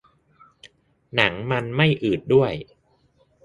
หนังมันไม่อืดด้วย